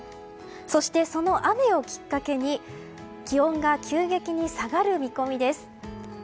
そして、その雨をきっかけに気温が急激に下がる見込みです。